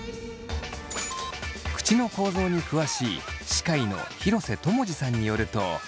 口の構造に詳しい歯科医の廣瀬知二さんによると。